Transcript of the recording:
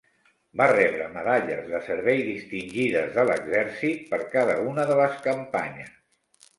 Va rebre Medalles de Servei Distingides de l'Exèrcit per cada una de les campanyes.